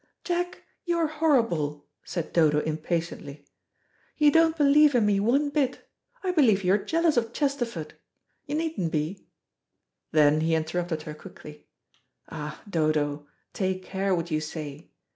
"Jack, you are horrible," said Dodo impatiently, "you don't believe in me one bit. I believe you are jealous of Chesterford; you needn't be." Then he interrupted her quickly. "Ah, Dodo, take care what you say.